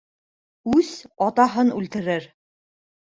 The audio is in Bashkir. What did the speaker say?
Үс атаһын үлтерер.